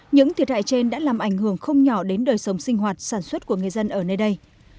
những thiệt hại trên đã làm ảnh hưởng không nhỏ đến đời sống sinh hoạt sản xuất của người dân ở nơi đây